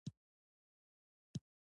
دوی د انګورو له حاصلاتو ګټه اخیسته